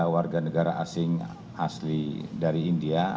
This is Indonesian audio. satu ratus lima puluh tiga warga negara asing asli dari india